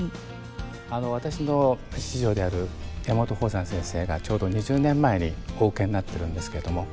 私の師匠である山本邦山先生がちょうど２０年前にお受けになってるんですけども。